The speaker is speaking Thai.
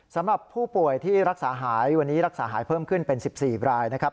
สำหรับผู้ป่วยที่รักษาหายวันนี้รักษาหายเพิ่มขึ้นเป็น๑๔รายนะครับ